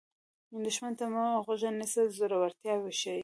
دښمن ته مه غوږ نیسه، زړورتیا وښیه